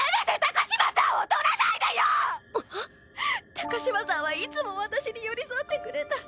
高嶋さんはいつも私に寄り添ってくれた。